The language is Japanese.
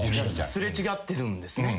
擦れ違ってるんですね。